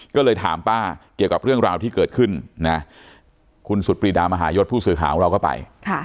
ก็เลยถามป้าเกี่ยวกับเรื่องราวที่เกิดขึ้นนะคุณสุดปรีดามหายศผู้สื่อข่าวของเราก็ไป